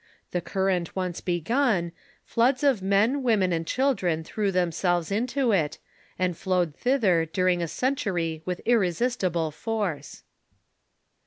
The current once begun, floods of men, women, and children threw themselves into it, and flowed thither during a century with irresistible force."